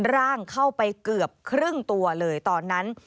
ร่างเข้าไปเกือบครึ่งตัวเลยตอนนั้น